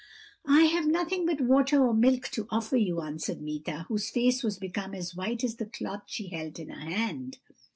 "'I have nothing but water or milk to offer you,' answered Meeta, whose face was become as white as the cloth she held in her hand.